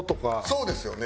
そうですよね？